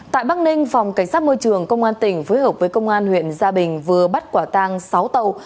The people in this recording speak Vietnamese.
tại bắc ninh phòng cảnh sát môi trường công an tỉnh phối hợp với công an huyện gia bình vừa bắt quả tang sáu tàu